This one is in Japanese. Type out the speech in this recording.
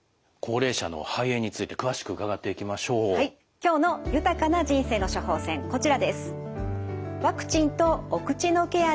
今日の豊かな人生の処方せんこちらです。